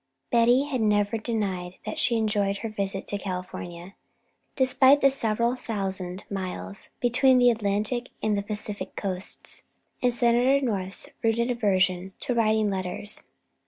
_ I Betty never denied that she enjoyed her visit to California, despite the several thousand miles between the Atlantic and the Pacific coasts, and Senator North's rooted aversion to writing letters.